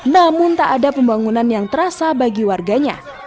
namun tak ada pembangunan yang terasa bagi warganya